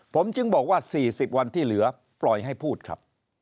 ผมจึงบอกว่า๔๐วันที่เหลือปล่อยให้พูดครับ